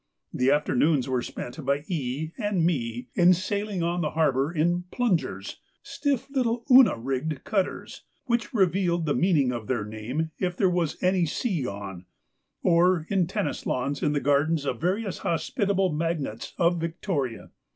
The afternoons were spent by E. and me in sailing on the harbour in 'plungers,' stiff little Una rigged cutters, which revealed the meaning of their name if there was any sea on, or in lawn tennis in the gardens of various hospitable magnates of Victoria.